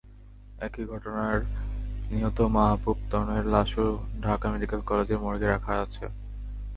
একই ঘটনায় নিহত মাহবুব তনয়ের লাশও ঢাকা মেডিকেল কলেজের মর্গে রাখা আছে।